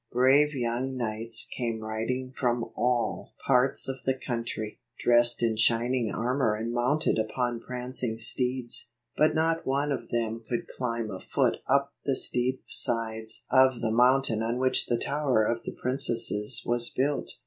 Brave young knights came riding from all H7 parts of the country, dressed in shining armor and mounted upon prancing steeds; but not one of them could climb a foot up the steep sides of the mountain on which the tower of the prin cesses was built.